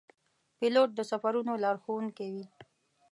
پیلوټ د سفرونو لارښوونکی وي.